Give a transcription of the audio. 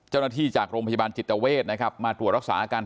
เจ้านาทีจากโรงพยาบาลจิตอเวศนะครับมาตรวจรักษาอาการ